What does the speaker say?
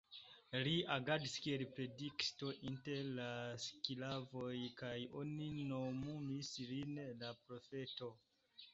Li agadis kiel predikisto inter la sklavoj kaj oni nomumis lin "la profeto".